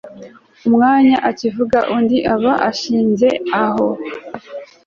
umwanya akibivuga, undi aba ashinze aho